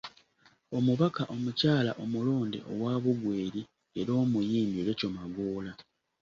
Omubaka omukyala omulonde owa Bugweri era omuyimbi Rachel Magoola.